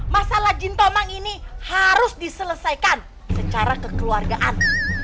masalah jin tomang ini harus diselesaikan secara kekeluargaan